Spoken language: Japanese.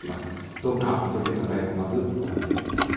どうか１人で抱え込まず相談してみてください。